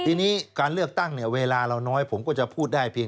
ทีนี้การเลือกตั้งเนี่ยเวลาเราน้อยผมก็จะพูดได้เพียง